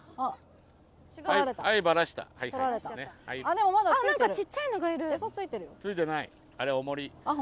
でもまだついてる何かちっちゃいのがいるあっ